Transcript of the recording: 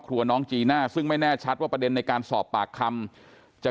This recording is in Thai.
น้องจีน่าซึ่งไม่แน่ชัดว่าประเด็นในการสอบปากคำจะ